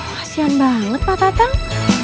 kasihan banget pak tatang